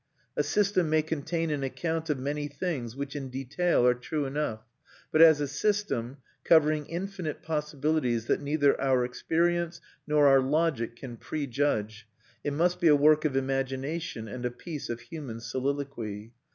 A system may contain an account of many things which, in detail, are true enough; but as a system, covering infinite possibilities that neither our experience nor our logic can prejudge, it must be a work of imagination and a piece of human soliloquy.